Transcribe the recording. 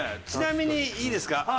ちなみにいいですか？